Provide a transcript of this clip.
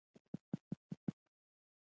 د لویې لارې مسافرینو ته دا کرښه ښودل کیږي